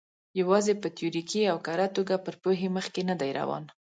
یوازې په تیوریکي او کره توګه پر پوهې مخکې نه دی روان.